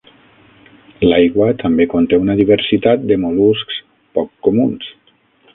L'aigua també conté una diversitat de mol·luscs poc comuns.